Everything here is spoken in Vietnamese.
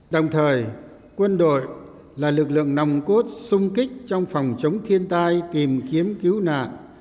đồng thời quân đội là lực lượng nòng cốt sung kích trong phòng chống thiên tai tìm kiếm cứu nạn